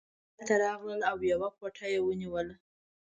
سرای ته راغلل او یوه کوټه یې ونیوله.